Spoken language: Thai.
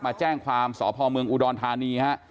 มาแจ้งความสพเมืองอุดรธานีฮะ